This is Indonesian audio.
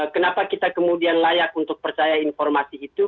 kenapa kita kemudian layak untuk percaya informasi itu